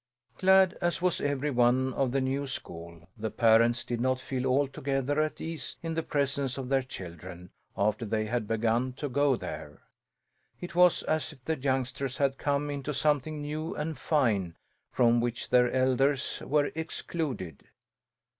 Glad as was every one of the new school, the parents did not feel altogether at ease in the presence of their children, after they had begun to go there. It was as if the youngsters had come into something new and fine from which their elders were excluded.